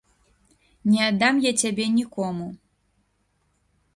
Не аддам я цябе нікому.